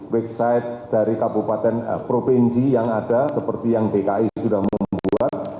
website dari kabupaten provinsi yang ada seperti yang dki sudah membuat